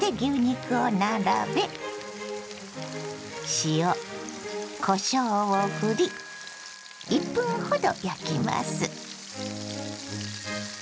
塩こしょうをふり１分ほど焼きます。